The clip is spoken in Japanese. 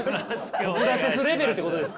ソクラテスレベルってことですか？